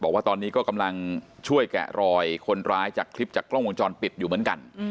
บอกว่าตอนนี้ก็กำลังช่วยแกะรอยคนร้ายจากคลิปจากกล้องวงจรปิดอยู่เหมือนกัน